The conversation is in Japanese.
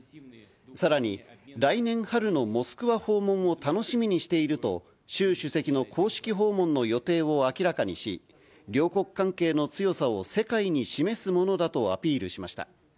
さらに、来年春のモスクワ訪問を楽しみにしていると、習主席の公式訪問の予定を明らかにし、両国関係の強さを世界に示すものだとアピールしました。